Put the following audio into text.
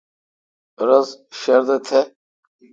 رس شردہ تھ۔